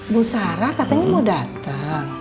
bu sarah katanya mau datang